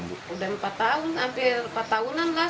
sudah empat tahun hampir empat tahunan lah